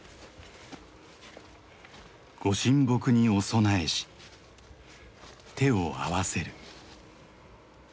ご神木にお供えし手を合わせる。